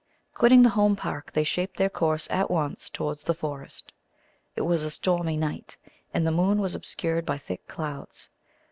Quitting the Home Park, they shaped their course at once towards the forest. It was a stormy night, and the moon was obscured by thick clouds.